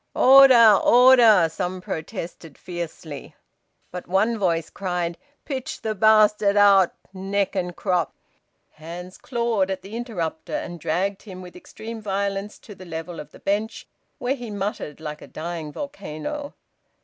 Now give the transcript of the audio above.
"Order! Order!" some protested fiercely. But one voice cried: "Pitch the bastard awt, neck and crop!" Hands clawed at the interrupter and dragged him with extreme violence to the level of the bench, where he muttered like a dying volcano.